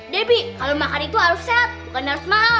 debbie kalau makan itu harus sehat bukan harus mahal